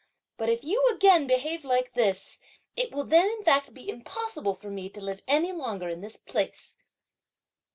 But if you again behave like this, it will then, in fact, be impossible for me to live any longer in this place!"